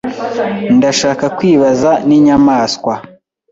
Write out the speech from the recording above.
Ndashaka kwibaza ninyamaswa